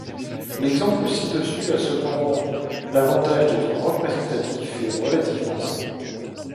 L'exemple ci-dessus a cependant l'avantage d'être représentatif et relativement simple.